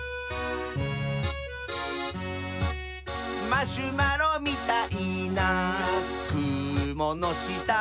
「マシュマロみたいなくものした」